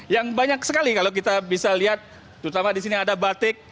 yang banyak sekali kalau kita bisa lihat terutama di sini ada batik